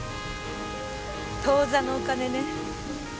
当座のお金ね。